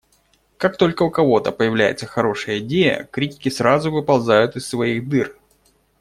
Как только у кого-то появляется хорошая идея, критики сразу выползают из своих дыр.